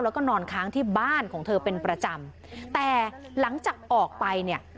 แล้วก็นอนค้างที่บ้านของเธอเป็นประจำแต่หลังจากออกไปเนี่ย